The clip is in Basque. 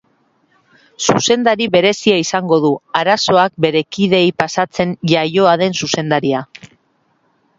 Zuzendari berezia izango du, arazoak bere kideei pasatzen iaioa den zuzendaria.